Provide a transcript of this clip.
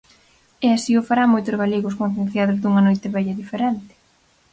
E así o farán moitos galegos concienciados dunha Noitevella diferente.